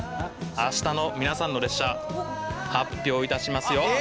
あしたの皆さんの列車発表いたしますよ。